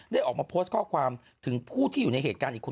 ออกมาโพสต์ข้อความถึงผู้ที่อยู่ในเหตุการณ์อีกคน